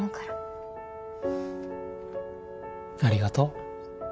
ありがとう。